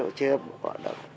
rượu chưa bỏ được